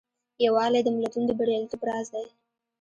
یووالی د ملتونو د بریالیتوب راز دی.